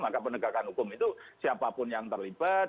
maka penegakan hukum itu siapapun yang terlibat